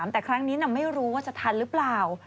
แต่ครั้งนี้ไม่รู้ว่าจะทันหรือเปล่า